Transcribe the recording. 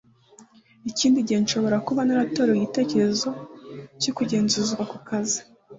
Ikindi gihe nshobora kuba naratomboye igitekerezo cyo kugenzurwa, kukazi